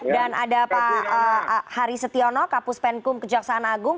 dan ada pak hari setiono kapus penkum kejaksaan agung